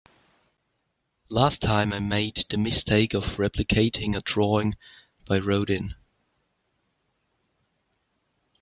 Last time, I made the mistake of replicating a drawing by Rodin.